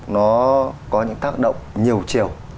nó có những tác động nhiều chiều